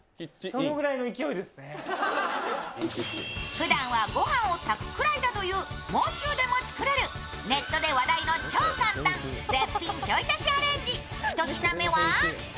ふだんは御飯を炊くぐらいだという、もう中でも作れるネットで話題の超簡単絶品ちょい足しアレンジ、１つ目は？